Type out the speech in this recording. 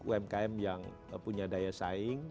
umkm yang punya daya saing